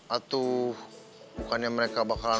atuh bukannya mereka bakalan